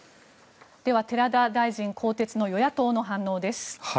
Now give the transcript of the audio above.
では寺田大臣更迭の与野党の反応です。